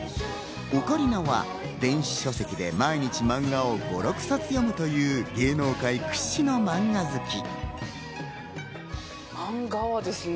オカリナは電子書籍で毎日マンガを５６冊読むという芸能界屈指のマンガ好き。